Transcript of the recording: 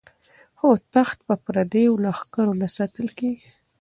خو تخت په پردیو لښکرو نه ساتل کیږي.